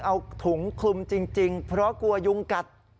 เอาถุงคลุมจริงเพราะกลัวยุงกัด